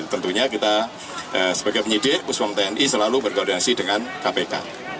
tentunya kita sebagai penyidik puspom tni selalu berkoordinasi dengan kpk